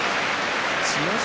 千代翔